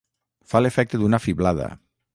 Fa l'efecte d'una fiblada.